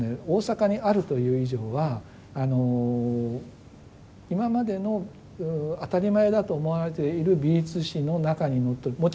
大阪にあるという以上は今までの当たり前だと思われている美術史の中にのってる